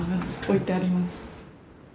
置いてあります。